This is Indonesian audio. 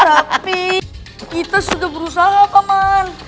tapi kita sudah berusaha pak man